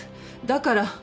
だから。